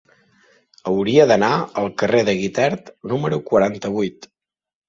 Hauria d'anar al carrer de Guitert número quaranta-vuit.